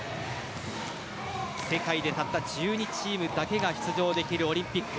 世界で、たった１２チームだけが出場できるオリンピック。